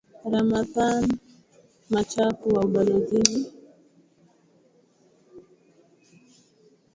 ramadhan machaku wa ubalozini camp area six morogoro tanzania